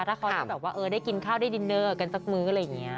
ถ้าเขาได้กินข้าวด้วยดินเนอร์กันสักมืออะไรอย่างนี้